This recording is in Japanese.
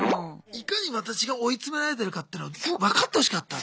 いかに私が追い詰められてるかっていうのを分かってほしかった。